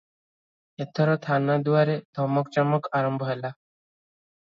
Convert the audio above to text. ଏଥର ଥାନା ଦୁଆରେ ଧମକ ଚମକ ଆରମ୍ଭ ହେଲା ।